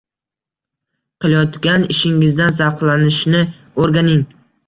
Qilayotgan ishingizdan zavqlanishni õrganing